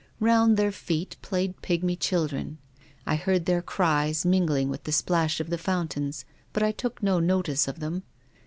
Round their feet played pigmy children. I heard their cries mingling with the splash of tlie fountains, but I took no notice of them.